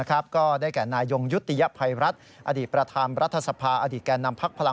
กรณีนี้ทางด้านของประธานกรกฎาได้ออกมาพูดแล้ว